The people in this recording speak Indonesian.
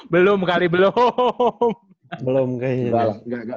belum kali belum belum kehilangan